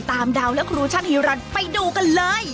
ตามดาวและครูช่างฮิรันไปดูกันเลย